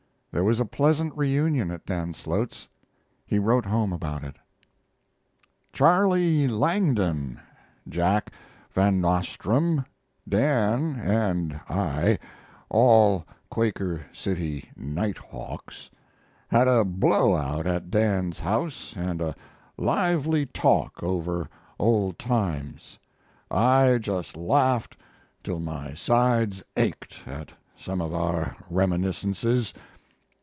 There was a pleasant reunion at Dan Slote's. He wrote home about it: Charley Langdon, Jack Van Nostrand, Dan and I (all Quaker City night hawks) had a blow out at Dan's house and a lively talk over old times. I just laughed till my sides ached at some of our reminiscences.